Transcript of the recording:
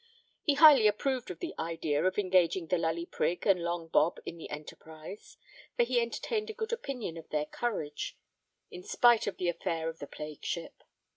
He highly approved of the idea of engaging the Lully Prig and Long Bob in the enterprise; for he entertained a good opinion of their courage, in spite of the affair of the plague ship.